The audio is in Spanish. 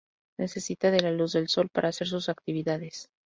Necesita de la luz del sol para hacer sus actividades.